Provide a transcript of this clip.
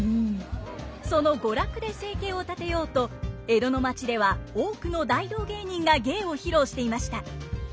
その娯楽で生計を立てようと江戸の町では多くの大道芸人が芸を披露していました！